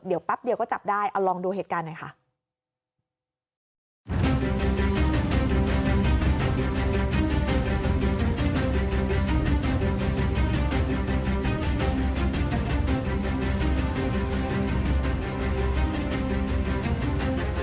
เดี๋ยวแป๊บเดียวก็จับได้เอาลองดูเหตุการณ์หน่อยค่ะ